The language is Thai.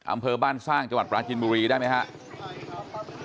อำเภอบ้านสร้างจังหวัดปราจินบุรีได้ไหมครับ